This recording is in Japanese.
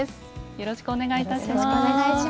よろしくお願いします。